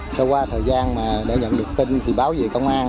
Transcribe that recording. sau qua thời gian mà đã nhận được tin thì báo về công an